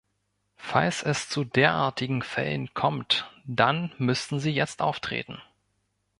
Falls es zu derartigen Fällen kommt, dann müssten sie jetzt auftreten.